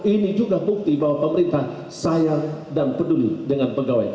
ini juga bukti bahwa pemerintah saya dan peduli dengan pegawai kpk